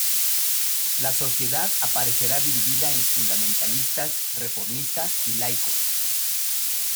La sociedad aparecerá dividida en fundamentalistas, reformistas y laicos.